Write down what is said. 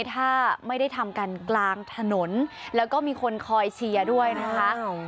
ถ้าไม่ได้ทำกันกลางถนนแล้วก็มีคนคอยเชียร์ด้วยนะคะ